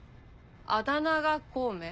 あだ名が孔明？